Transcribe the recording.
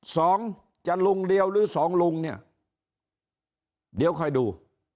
สองจะลุงเดียวหรือสองลุงเนี่ยเดี๋ยวค่อยดู